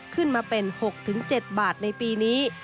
ขึ้นมาเป็น๖๗บาทในปีนี้